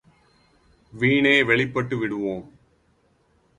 வீணே வெளிப்பட்டு விடுவோம்.